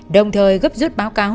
đồng thời gấp rút báo cáo